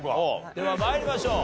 では参りましょう。